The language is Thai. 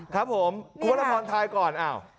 ครับผมคุณผู้ชมพอถ่อนทายก่อน